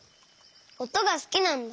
おとがすきなんだ。